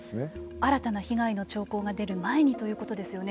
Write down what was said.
新たな被害の兆候が出る前にということですよね。